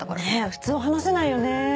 普通は話せないよね。